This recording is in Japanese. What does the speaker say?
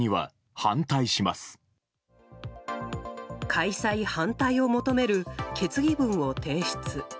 開催反対を求める決議文を提出。